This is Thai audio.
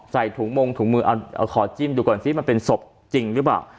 ใส่ถุงมงถุงมือเอาขอจิ้มดูก่อนซิมันเป็นศพจริงหรือเปล่า